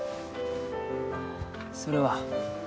それは？